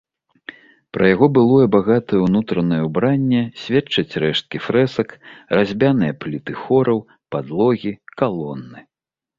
Пра яго былое багатае ўнутранае ўбранне сведчаць рэшткі фрэсак, разьбяныя пліты хораў, падлогі, калоны.